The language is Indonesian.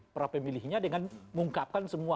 prapemilihnya dengan mengungkapkan semua